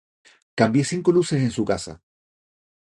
Cambie cinco luces en su casa